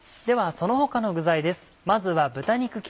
その他の具材です。